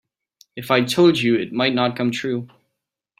If I told you it might not come true.